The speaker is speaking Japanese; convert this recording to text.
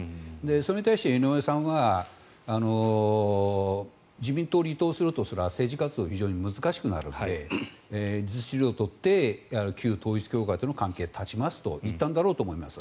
それに対して井上さんは自民党を離党すると政治活動が難しくなるので実利を取って旧統一教会との関係を断ちますと言ったんだろうと思います。